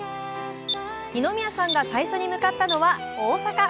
二宮さんが最初に向かったのは大阪。